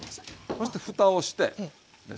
そして蓋をしてですよ